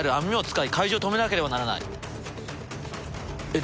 えっ？